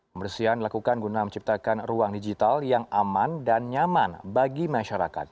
pembersihan dilakukan guna menciptakan ruang digital yang aman dan nyaman bagi masyarakat